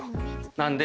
なんで。